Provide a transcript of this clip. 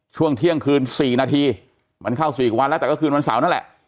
ช่วงเที่ยงคืน๔นาทีมันเข้า๔วันแล้วแต่ก็คืนวันเสาร์นั่นแหละ